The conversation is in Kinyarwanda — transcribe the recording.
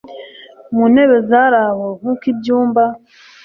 muntebe zari aho nkuko ibyumba